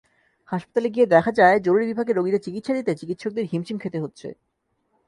হাসপাতালে গিয়ে দেখা যায়, জরুরি বিভাগে রোগীদের চিকিৎসা দিতে চিকিৎসকদের হিমশিম খেতে হচ্ছে।